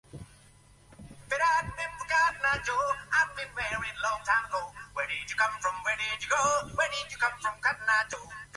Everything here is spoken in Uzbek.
Qarilik haqidagi o‘ydan ko‘ra kishini tez qaritadigap narsa yo‘q.